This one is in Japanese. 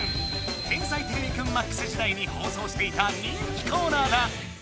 「天才てれびくんＭＡＸ」時代に放送していた人気コーナーだ！